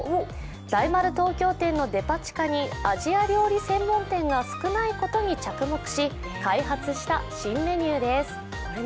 大丸東京店のデパ地下にアジア料理専門店が少ないことに着目し、開発した新メニューです。